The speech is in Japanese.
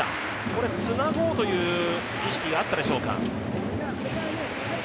これ、つなごうという意識があったでしょうか。